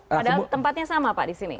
padahal tempatnya sama pak di sini